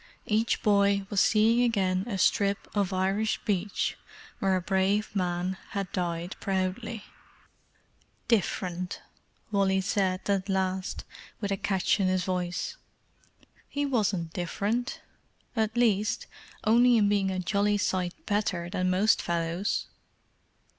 Each boy was seeing again a strip of Irish beach where a brave man had died proudly. "Different!" Wall said, at last, with a catch in his voice. "He wasn't different—at least, only in being a jolly sight better than most fellows."